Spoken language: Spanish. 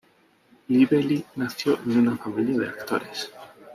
Lively nació en una familia de actores.